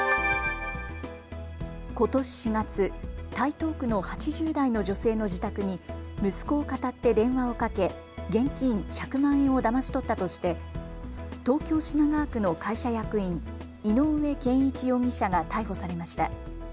ことし４月、台東区の８０代の女性の自宅に息子をかたって電話をかけ、現金１００万円をだまし取ったとして東京品川区の会社役員、井上健一容疑者が逮捕されました。